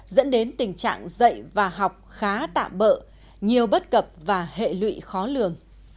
dẫn đến tình trạng dạy và học khá tạm bỡ nhiều bất cập và hệ lụy khó lường